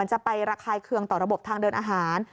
จะไประคายเคืองต่อระบบทางเดินอาหาร